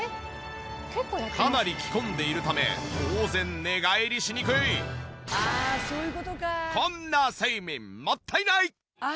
かなり着込んでいるため当然こんな睡眠もったいない！